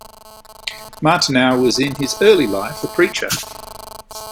Martineau was in his early life a preacher.